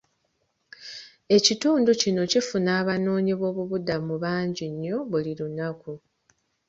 Ekitundu kino kifuna abanoonyiboobubudamu bangi nnyo buli lunaku.